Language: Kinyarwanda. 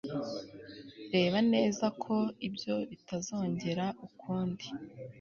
reba neza ko ibyo bitazongera ukundi